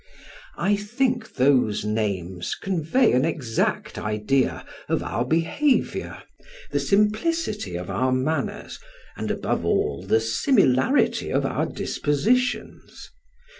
I think those names convey an exact idea of our behavior, the simplicity of our manners, and above all, the similarity of our dispositions.